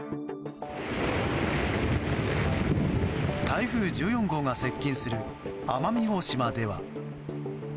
台風１４号が接近する奄美大島では。